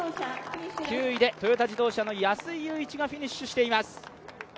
９位でトヨタ自動車の安井雄一がフィニッシュしています。